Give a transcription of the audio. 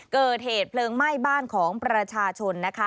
เกิดเหตุเพลิงไหม้บ้านของประชาชนนะคะ